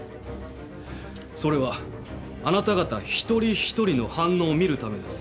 それはあなた方一人一人の反応を見るためです。